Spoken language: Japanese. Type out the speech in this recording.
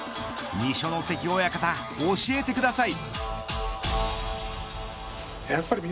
二所ノ関親方、教えてください。